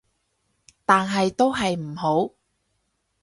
但係都係唔好